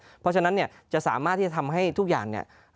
เพราะฉะนั้นจะสามารถที่จะทำให้ทุกอย่าง